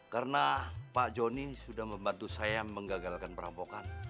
karena pak joni sudah membantu saya menggagalkan perampokan